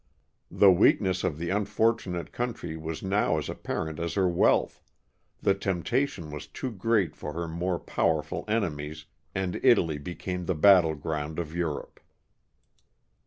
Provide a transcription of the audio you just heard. The weakness of the unfortunate country was now as apparent as her wealth, the temptation was too great for her more powerful enemies, and Italy became the battle ground of Europe.